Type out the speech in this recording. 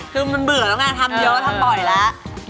คือมันเบื่อแล้วไงทำเยอะทำบ่อยแล้ว